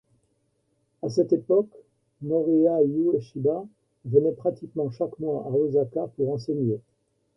À cette époque, Morihei Ueshiba venait pratiquement chaque mois à Ōsaka pour enseigner.